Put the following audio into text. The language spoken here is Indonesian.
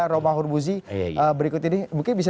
romah hurmuzi berikut ini mungkin bisa